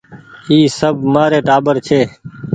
اي سب مآري ٽآٻر ڇي۔